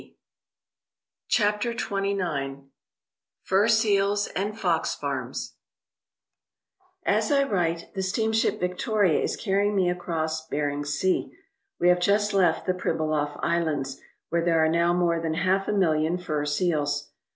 229 CHAPTER XXIX " FUR SEALS AND FOX FARMS A I write, the steamship Victoria is carrying me across Bering Sea. We have just left the Pribilof Islands, where there are now more than half a million fur seals.